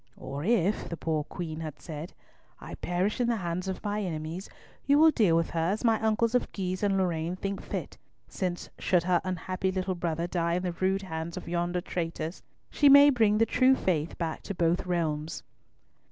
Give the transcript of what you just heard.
"Or if," the poor Queen said, "I perish in the hands of my enemies, you will deal with her as my uncles of Guise and Lorraine think fit, since, should her unhappy little brother die in the rude hands of yonder traitors, she may bring the true faith back to both realms."